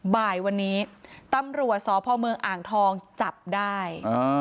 บ่ายวันนี้ตำรวจสพเมืองอ่างทองจับได้